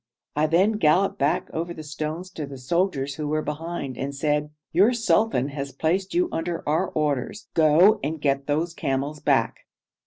I then galloped back over the stones to the soldiers who were behind, and said, 'Your sultan has placed you under our orders; go and get those camels back.'